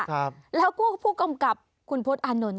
ครับแล้วก็ผู้กำกับคุณพศอานนท์